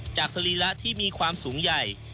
สรีระที่มีความสูงใหญ่